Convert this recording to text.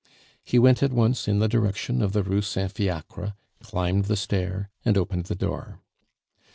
He went at once in the direction of the Rue Saint Fiacre, climbed the stair, and opened the door.